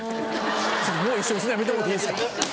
もう一緒にするのやめてもろうていいですか。